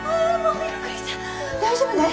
大丈夫？